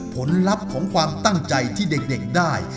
ผลลัพธ์ของความตั้งใจที่เด็กได้